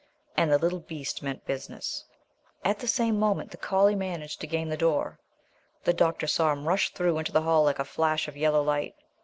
And the little beast meant business. At the same moment the collie managed to gain the door. The doctor saw him rush through into the hall like a flash of yellow light.